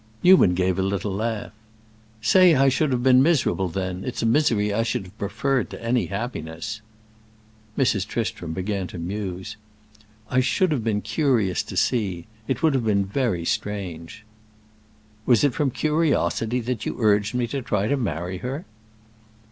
Newman gave a little laugh. "Say I should have been miserable, then; it's a misery I should have preferred to any happiness." Mrs. Tristram began to muse. "I should have been curious to see; it would have been very strange." "Was it from curiosity that you urged me to try and marry her?"